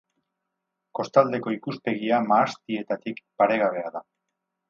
Kostaldeko ikuspegia, mahastietatik, paregabea da.